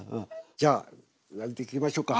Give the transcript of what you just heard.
じゃ焼いていきましょうか。